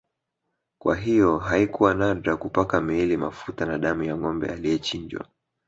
Kwa hiyo haikuwa nadra kupaka miili mafuta na damu ya Ngombe aliyechinjwa